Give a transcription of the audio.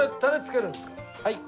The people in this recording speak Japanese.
はい。